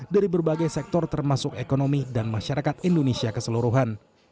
dari berbagai sektor termasuk ekonomi dan masyarakat indonesia keseluruhan